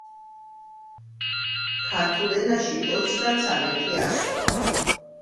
ქართულ ენაში ოცდაცამეტი ასოა